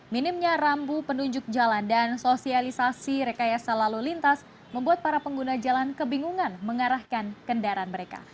minimnya rambu penunjuk jalan dan sosialisasi rekayasa lalu lintas membuat para pengguna jalan kebingungan mengarahkan kendaraan mereka